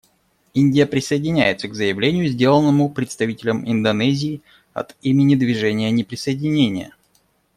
Индия присоединяется к заявлению, сделанному представителем Индонезии от имени Движения неприсоединения.